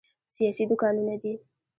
سیاسي دوکانونه دي.